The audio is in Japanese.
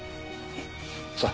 さあ。